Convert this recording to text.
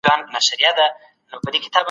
ملتونه چیري د ازادي سوداګرۍ خبري کوي؟